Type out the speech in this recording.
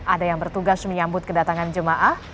ada yang bertugas menyambut kedatangan jemaah